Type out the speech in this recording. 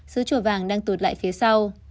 xứ chùa vàng đang tụt lại phía sau